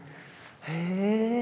へえ。